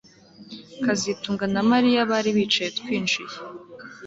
kazitunga na Mariya bari bicaye twinjiye